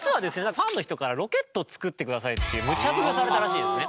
ファンの人から「ロケット作ってください」っていうむちゃぶりをされたらしいですね。